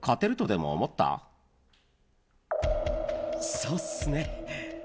そっすね。